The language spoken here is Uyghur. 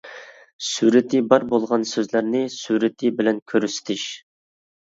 سۈرىتى بار بولغان سۆزلەرنى سۈرىتى بىلەن كۆرسىتىش.